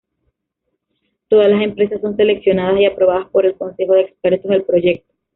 Todas las empresas son seleccionadas y aprobadas por el Consejo de Expertos del proyecto.